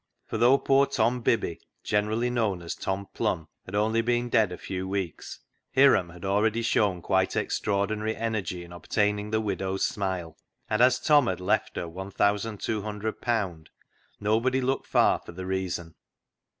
For though poor Tom Bibby, generally known as Tom Plum, had only been dead a few weeks, Hiram had already shown quite extraordinary energy in obtaining the widow's smile, and as Tom had left her ;6^i200 nobody looked far for the reason.